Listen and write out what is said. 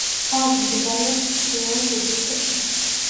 ქალაქი მდებარეობს ჩრდილოეთ ეგვიპტეში.